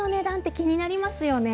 気になりますね。